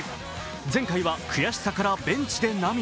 前回は悔しさからベンチで涙。